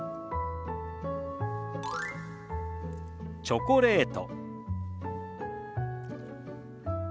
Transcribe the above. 「チョコレート」。